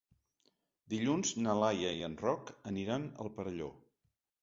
Dilluns na Laia i en Roc aniran al Perelló.